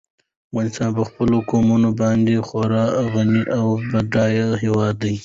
افغانستان په خپلو قومونه باندې خورا غني او بډای هېواد دی.